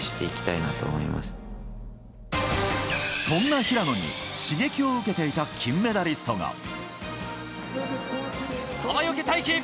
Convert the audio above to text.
そんな平野に刺激を受けていた金メダリストが。